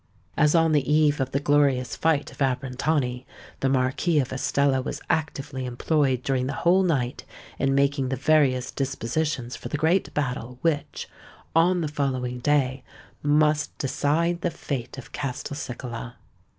As on the eve of the glorious fight of Abrantani, the Marquis of Estella was actively employed during the whole night in making the various dispositions for the great battle which, on the following day, must decide the fate of Castelcicala.